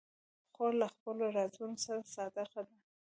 خور له خپلو رازونو سره صادقه ده.